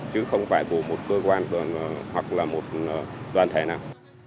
chứ không phải của một cơ quan hoặc là một đoàn thể nào